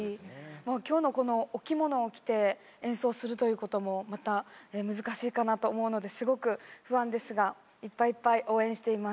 今日のこのお着物を着て演奏するということもまた難しいかなと思うのでスゴく不安ですがいっぱいいっぱい応援しています。